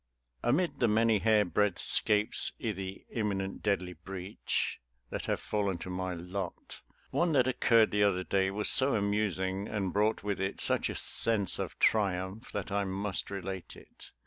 Amid the many "hair breadth 'scapes i' the imminent deadly breach " that have fallen to my lot, one that occurred the other day was so amusing, and brought with it such a sense of triumph, that I must relate it.